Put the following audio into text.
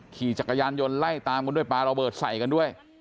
ขี่จักรยานยนต์ไล่ตามกันด้วยปลาระเบิดใส่กันด้วย